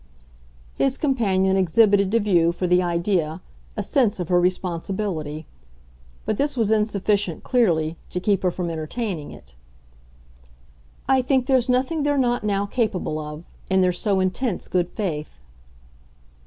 His companion exhibited to view, for the idea, a sense of her responsibility; but this was insufficient, clearly, to keep her from entertaining it. "I think there's nothing they're not now capable of in their so intense good faith."